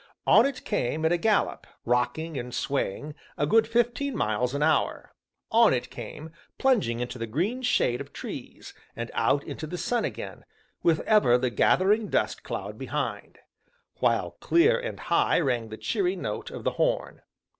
On it came at a gallop, rocking and swaying, a good fifteen miles an hour; on it came, plunging into the green shade of trees, and out into the sun again, with ever the gathering dust cloud behind; while clear and high rang the cheery note of the horn.